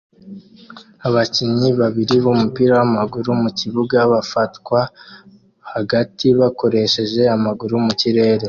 Abakinnyi babiri b'umupira w'amaguru mu kibuga bafatwa hagati bakoresheje amaguru mu kirere